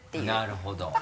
なるほど。